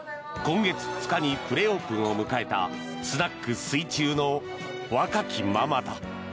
今月２日にプレオープンを迎えたスナック水中の若きママだ。